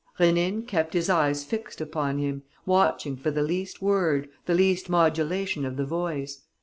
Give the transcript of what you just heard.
Rénine kept his eyes fixed upon him, watching for the least word, the least modulation of the voice.